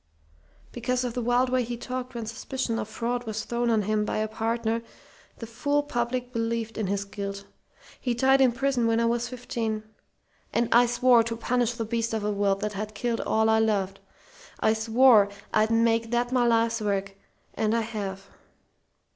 "Because of the wild way he talked when suspicion of fraud was thrown on him by a partner the fool public believed in his guilt. He died in prison when I was fifteen, and I swore to punish the beast of a world that had killed all I loved. I swore I'd make that my life's work, and I have.